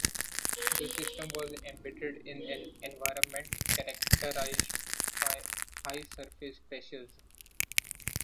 The system was embedded in an environment characterized by high surface pressures.